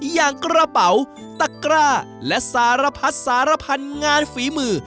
อย่างกระเป๋าตะกร้าและสารพัดสารพันธุ์งานฝีมือ